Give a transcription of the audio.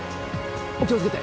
お気を付けて。